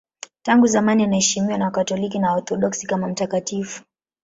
Tangu zamani anaheshimiwa na Wakatoliki na Waorthodoksi kama mtakatifu.